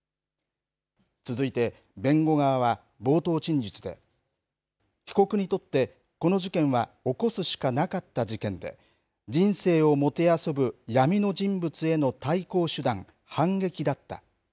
続いて、弁護側は冒頭陳述で、被告にとって、この事件は起こすしかなかった事件で、人生をもてあそぶ闇の人物への対抗手段、反撃だった。